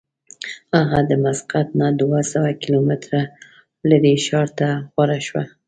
هغه د مسقط نه دوه سوه کیلومتره لرې ښار ته غوره شوه.